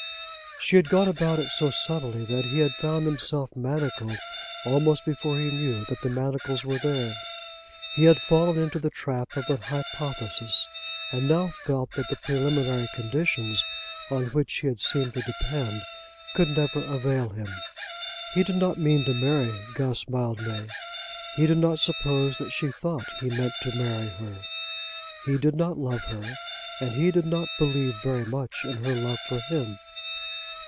She had gone about it so subtlely that he had found himself manacled almost before he knew that the manacles were there. He had fallen into the trap of an hypothesis, and now felt that the preliminary conditions on which he had seemed to depend could never avail him. He did not mean to marry Guss Mildmay. He did not suppose that she thought he meant to marry her. He did not love her, and he did not believe very much in her love for him.